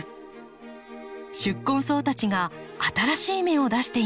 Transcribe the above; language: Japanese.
宿根草たちが新しい芽を出しています。